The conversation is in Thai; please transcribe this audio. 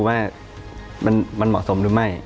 เราก็ต้องดูว่ามันเหมาะสมหรือไม่